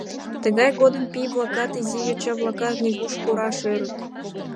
Тыгай годым пий-влакат, изи йоча-влакат нигуш пураш ӧрыт.